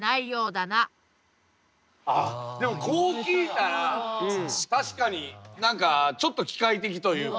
あっでもこう聞いたら確かに何かちょっと機械的というか。